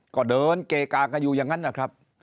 ก็เดินเกกากันอยู่อย่างนั้นนะครับ